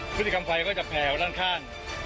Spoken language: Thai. พฤติกรรมไฟก็จะแผลวด้านข้าง